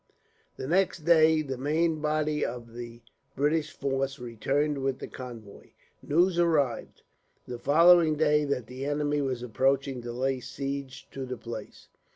The next day, the main body of the British force returned with the convoy. News arrived, the following day, that the enemy were approaching to lay siege to the place.